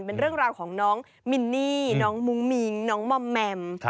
เป็นเรื่องราวของน้องมินนี่น้องมุ้งมิ้งน้องมอมแมม